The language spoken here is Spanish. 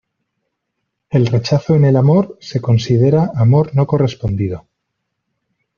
El rechazo en el amor se considera amor no correspondido.